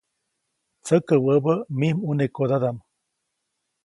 Tsäkä wäbä mij ʼmunekodadaʼm.